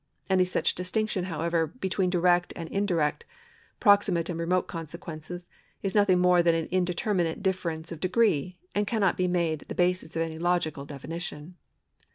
Any such distinction, however, between direct and indirect, proxi mate and remote consequences, is nothing more than an indeterminate difference of degree, and cannot be made the basis of any logical definition.